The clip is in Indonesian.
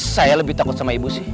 saya lebih takut sama ibu sih